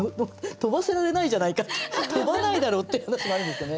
飛ばせられないじゃないかって飛ばないだろうっていう話もあるんですよね。